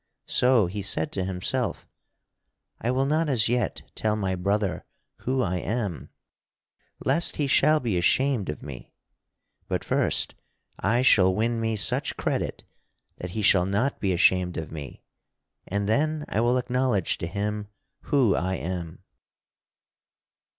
So he said to himself: "I will not as yet tell my brother who I am, lest he shall be ashamed of me. But first I shall win me such credit that he shall not be ashamed of me, and then I will acknowledge to him who I am."